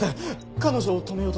彼女を止めようとして。